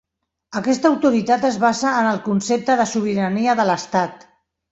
Aquesta autoritat es basa en el concepte de sobirania de l'estat.